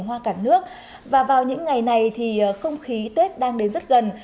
hoa cả nước và vào những ngày này thì không khí tết đang đến rất gần